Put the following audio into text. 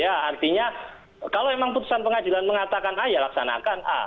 ya artinya kalau memang putusan pengadilan mengatakan a ya laksanakan a